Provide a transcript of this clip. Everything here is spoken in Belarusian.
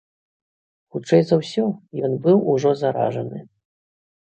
Хутчэй за ўсё, ён быў ужо заражаны.